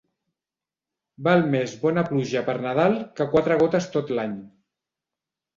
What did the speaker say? Val més bona pluja per Nadal que quatre gotes tot l'any.